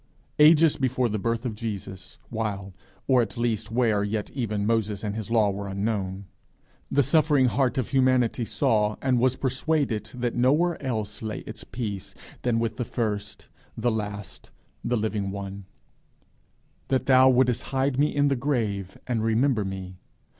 Ages before the birth of Jesus, while, or at least where yet even Moses and his law were unknown, the suffering heart of humanity saw and was persuaded that nowhere else lay its peace than with the first, the last, the living one: _O that thou woudest hide me in the grave,... and remember me!...